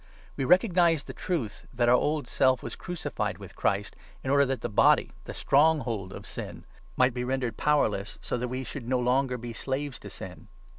We recognize the truth that our old self was 6 crucified with Christ, in order that the body, the stronghold of Sin, might be rendered powerless, so that we should no longer be slaves to Sin.